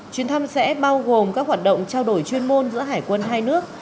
chuyến thăm sẽ bao gồm các hoạt động trao đổi chuyên môn giữa hải quân hai nước